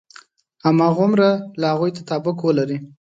هماغومره له هغوی تطابق ولري.